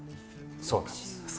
そうなんです。